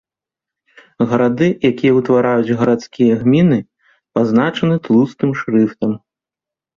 Гарады, якія ўтвараюць гарадскія гміны, пазначаны тлустым шрыфтам.